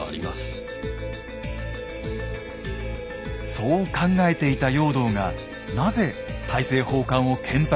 そう考えていた容堂がなぜ大政奉還を建白したのか？